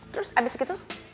terus abis itu